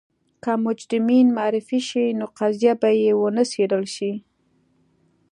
که مجرمین معرفي شي نو قضیه به یې ونه څېړل شي.